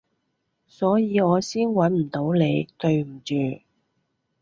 所以我先搵唔到你，對唔住